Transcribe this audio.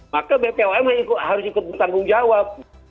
maka bpom harus ikut bertanggung jawab